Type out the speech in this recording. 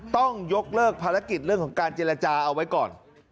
ต้องยกเลิกภารกิจเรื่องของการเจรจาเอาไว้ก่อน